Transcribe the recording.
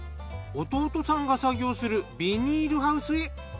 弟さんが作業するビニールハウスへ。